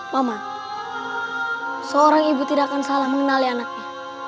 mama seorang ibu tidak akan salah mengenali anaknya